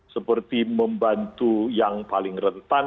seperti membantu yang paling rentan